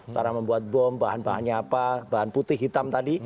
cara membuat bom bahan bahannya apa bahan putih hitam tadi